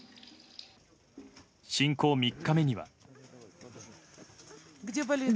侵攻３日目には。